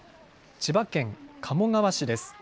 千葉県鴨川市です。